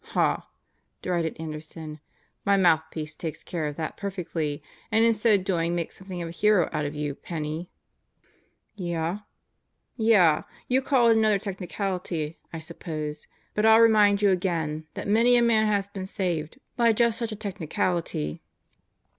"Haw!" derided Anderson. "My mouthpiece takes care of that perfectly and in so doing makes something of a hero out of you, Penney." "Yeah?" "Yeah! You'll call it another technicality, I suppose. But I'll remind you again that many a man has been saved by just such a technicality."